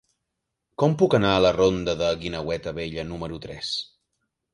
Com puc anar a la ronda de la Guineueta Vella número tres?